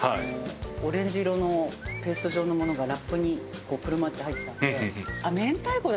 オレンジ色のペースト状のものがラップに包まって入ってたので「あっ明太子だ！